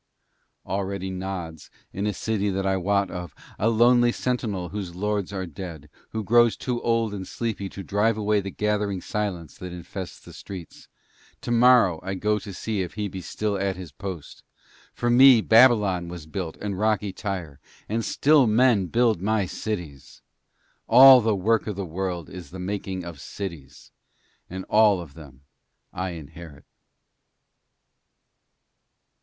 Already nods, in a city that I wot of, a lonely sentinel whose lords are dead, who grows too old and sleepy to drive away the gathering silence that infests the streets; tomorrow I go to see if he be still at his post. For me Babylon was built, and rocky Tyre; and still men build my cities! All the Work of the World is the making of cities, and all of them I inherit.'